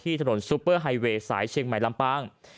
ถนนซุปเปอร์ไฮเวย์สายเชียงใหม่ลำปาง